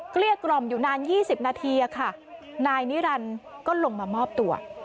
เกลี้ยกล่อมอยู่นาน๒๐นาทีค่ะนายนิรันดิ์ก็ลงมามอบตัว